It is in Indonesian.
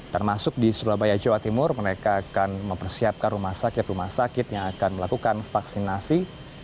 termasuk di surabaya jawa timur mereka akan mempersiapkan rumah sakit rumah sakit yang akan melakukan vaksinasi